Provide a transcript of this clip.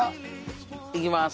いきます。